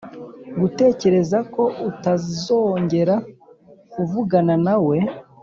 gutekereza ko utazongera kuvugana na we